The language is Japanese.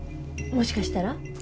もしかしたら？